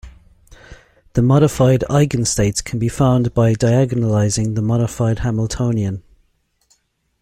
The modified eigenstates can be found by diagonalising the modified Hamiltonian.